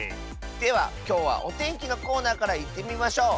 ではきょうはおてんきのコーナーからいってみましょう。